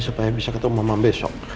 supaya bisa ketemu mama besok